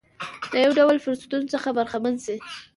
له یو ډول فرصتونو څخه برخمن شي.